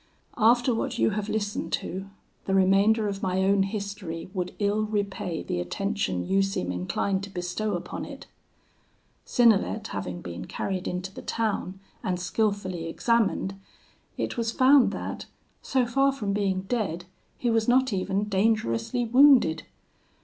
"After what you have listened to, the remainder of my own history would ill repay the attention you seem inclined to bestow upon it. Synnelet having been carried into the town and skilfully examined, it was found that, so far from being dead, he was not even dangerously wounded.